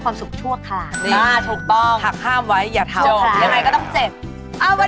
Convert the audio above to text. ความรวดเร็ว